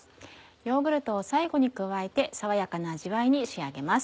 ヨーグルトを最後に加えて爽やかな味わいに仕上げます。